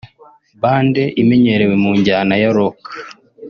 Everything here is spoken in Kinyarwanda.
band imenyerewe mu njyana ya Rock